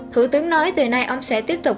thủ tướng nói từ nay ông sẽ tiếp tục